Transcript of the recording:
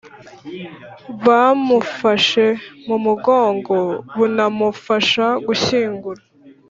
Bamufashe mu mugongo bunamufasha gushyingura